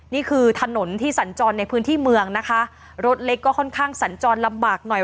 นี่คือถนนที่สัญจรในพื้นที่เมืองนะคะรถเล็กก็ค่อนข้างสัญจรลำบากหน่อย